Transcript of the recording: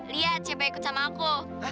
lihat siapa ikut sama aku